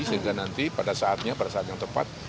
sehingga nanti pada saatnya pada saat yang tepat